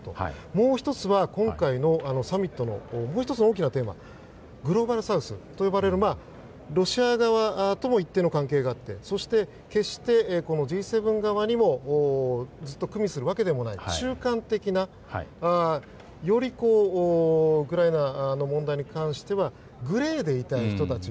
もう１つは、今回のサミットのもう１つの大きなテーマグローバルサウスと呼ばれるところはロシア側とも一定の関係があってそして、決してＧ７側にもずっとくみするわけでもない中間的なよりウクライナの問題に関してはグレーでいたい人たち。